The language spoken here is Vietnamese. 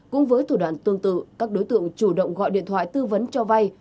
cũng với thủ đoạn tương tự các đối tượng chủ động gọi điện thoại tư vấn cho vay